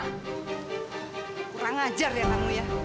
kurang ajar ya kamu ya